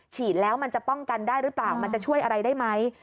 ฉีดแล้วมันจะป้องกันได้หรือเปล่ามันจะช่วยอะไรได้ไหม